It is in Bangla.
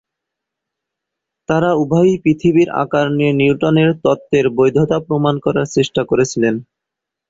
তারা উভয়ই পৃথিবীর আকার নিয়ে নিউটনের তত্ত্বের বৈধতা প্রমাণ করার চেষ্টা করেছিলেন।